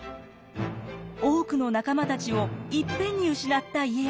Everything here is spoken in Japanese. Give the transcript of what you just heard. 多くの仲間たちをいっぺんに失った家康。